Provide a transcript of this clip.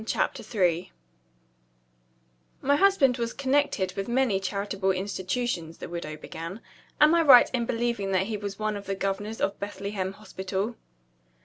CHAPTER III "My husband was connected with many charitable institutions," the widow began. "Am I right in believing that he was one of the governors of Bethlehem Hospital?"